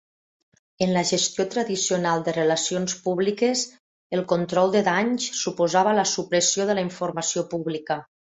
En la gestió tradicional de relacions públiques, el control de danys suposava la supressió de la informació pública.